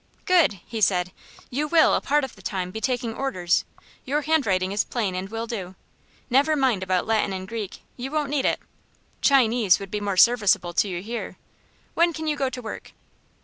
"Good!" he said. "You will, a part of the time, be taking orders. Your handwriting is plain and will do. Never mind about Latin and Greek. You won't need it. Chinese would be more serviceable to you here. When can you go to work?"